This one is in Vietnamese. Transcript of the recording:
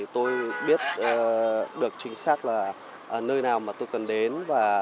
tôi biết được chính xác nơi nào tôi cần đến